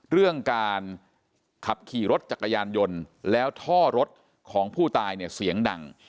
เรื่องการขับขี่รถจักรยานยนต์แล้วท่อรถของผู้ตายเนี่ยเสียงดัง